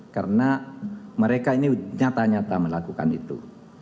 karena mereka ini nyata nyata melakukan itu